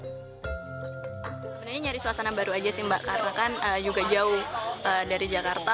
sebenarnya nyari suasana baru aja sih mbak karena kan juga jauh dari jakarta